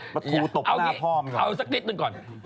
ประทูตบหน้าพ่อมก่อนเอาสักนิดหนึ่งก่อน